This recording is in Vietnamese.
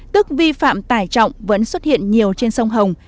tức vi phạm tải trọng vẫn xuất hiện nhiều trên sông hồng